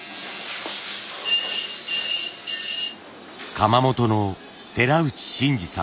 窯元の寺内信二さん。